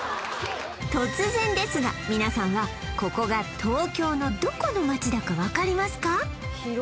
突然ですが皆さんはここが東京のどこの街だか分かりますか？